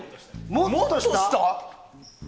もっと下？